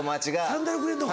サンダルくれんのか。